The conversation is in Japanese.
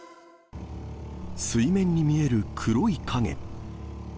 水面に見える黒い影。